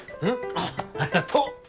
あありがとう！